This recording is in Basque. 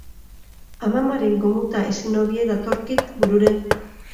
Amamaren gomuta ezin hobie datorkit burure